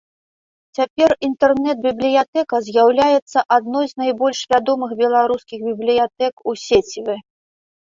Цяпер інтэрнэт-бібліятэка з'яўляецца адной з найбольш вядомых беларускіх бібліятэк у сеціве.